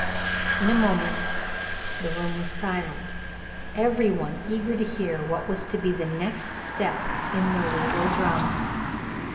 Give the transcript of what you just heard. In a moment the room was silent, every one eager to hear what was to be the next step in the legal drama.